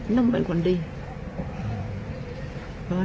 นุ่มมันความดี